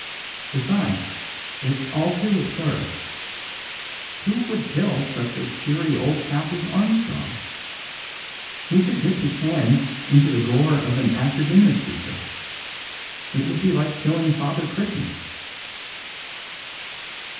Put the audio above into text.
Besides, it's all too absurd. Who would kill such a cheery old chap as Armstrong? Who could dip his hands in the gore of an after dinner speaker? It would be like killing Father Christmas."